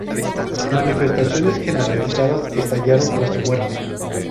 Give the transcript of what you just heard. Manifestaciones generalizadas estallaron tras su muerte.